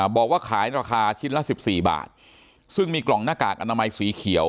บอกว่าขายราคาชิ้นละสิบสี่บาทซึ่งมีกล่องหน้ากากอนามัยสีเขียว